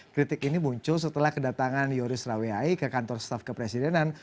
kritik ini muncul setelah kedatangan yoris rawiai ke kantor staf kepresidenan